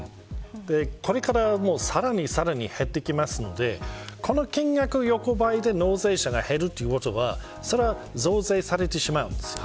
これからさらに減っていきますのでこの金額が横ばいで納税者が減るということはそりゃ増税されてしまいます。